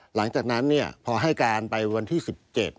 หลังจากนั้นพอให้การไปวันที่๑๗